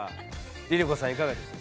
ＬｉＬｉＣｏさんいかがでした？